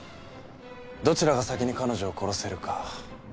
どちらが先に彼女を殺せるか。